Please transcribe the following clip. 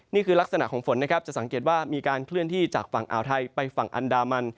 นี่คือลักษณะของฝนนะครับจะสังเกตว่ามีการเคลื่อนที่จากฝั่งอ่าวไทยไปฝั่งอันดามัน